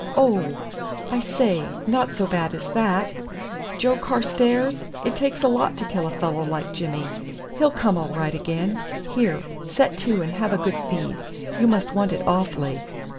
"Oh! I say, not so bad as that, Joe Carstairs! It takes a lot to kill a fellow like Jimmy. He'll come all right again. Here, set to and have a good feed. You must want it awfully."